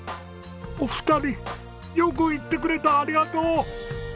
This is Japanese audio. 「お二人よく言ってくれたありがとう！」。